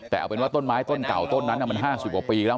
แต่เอาเป็นว่าต้นไม้ต้นเก่าต้นนั้นมัน๕๐กว่าปีแล้ว